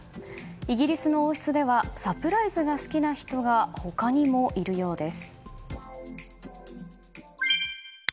イギリスの王室ではサプライズが好きな人が他にもいるようです。